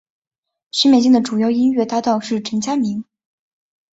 许美静的主要音乐搭档是陈佳明。